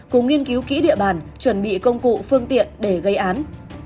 cùng nghiên cứu kỹ địa bàn chuẩn bị công cụ phương tiện để gây án